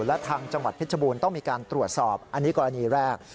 และทางจังหวัดเพชรบูรณ์ต้องมีการตรวจสอบอันนี้กรณีแรก